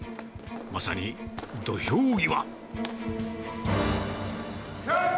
まさに土俵際。